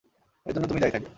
এর জন্য তুমিই দায়ি থাকবে।